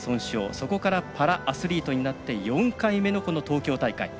そこからパラアスリートになって４回目の東京大会。